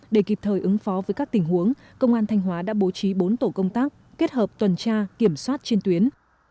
để kịp thời ứng phó với các tình huống công an thanh hóa đã bố trí bốn tổ công tác kết hợp tuần tra kiểm soát trên tuyến